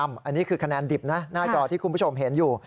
อันนี้คือคะแนนดิบนะหน้าจอที่คุณผู้ชมเห็นอยู่